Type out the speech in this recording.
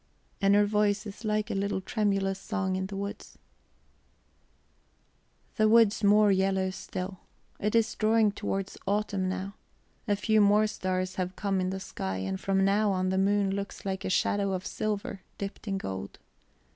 And her voice is like a little tremulous song in the woods. The woods more yellow still. It is drawing towards autumn now; a few more stars have come in the sky, and from now on the moon looks like a shadow of silver dipped in gold.